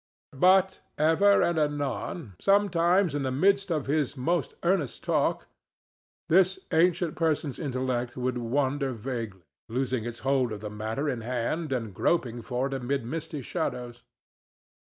But ever and anon, sometimes in the midst of his most earnest talk, this ancient person's intellect would wander vaguely, losing its hold of the matter in hand and groping for it amid misty shadows.